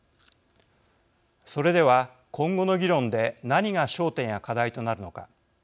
それでは、今後の議論で何が焦点や課題となるのか。